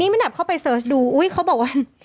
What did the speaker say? มันดับเข้าไปเสิร์ชดูอุ๊ยเขาบอกว่า